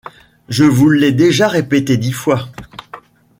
Je vous l'ai déjà répété dix fois…